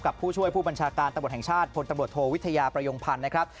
ผู้ช่วยผู้บัญชาการตำรวจแห่งชาติพลตำรวจโทวิทยาประยงพันธ์นะครับ